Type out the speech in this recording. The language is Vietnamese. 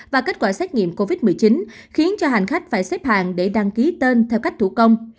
và kết quả xét nghiệm covid một mươi chín khiến cho hành khách phải xếp hàng để đăng ký tên theo cách thủ công